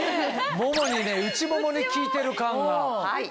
ももにね内ももに効いてる感が。